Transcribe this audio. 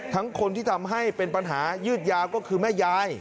คนที่ทำให้เป็นปัญหายืดยาวก็คือแม่ยาย